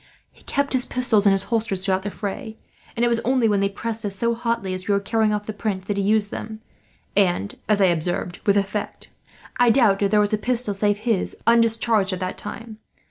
He kept his pistols in his holsters throughout the fray; and it was only when they pressed us so hotly, as we were carrying off the Prince, that he used them; and, as I observed, with effect. I doubt if there was a pistol save his undischarged, at that time.